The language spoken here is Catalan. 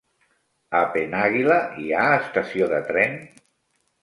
A Penàguila hi ha estació de tren?